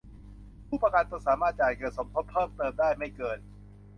ผู้ประกันตนสามารถจ่ายเงินสมทบเพิ่มเติมได้ไม่เกิน